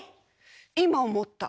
今思った。